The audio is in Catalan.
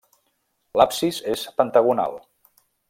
L'absis és pentagonal.